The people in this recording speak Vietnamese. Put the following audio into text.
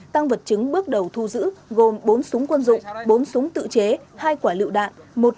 tăng vật chứng bước đầu thu giữ gồm bốn súng quân dụng bốn súng tự chế hai quả lựu đạn